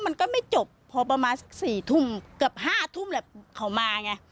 มันก็ไม่จบพอประมาณสัก๔ทุ่มเกือบ๕ทุ่มแหละเขามาไง